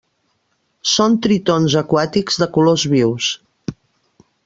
Són tritons aquàtics de colors vius.